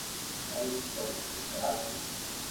ښایسته یې چټه ښکلې ګلالۍ کړه.